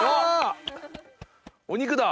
お肉だ！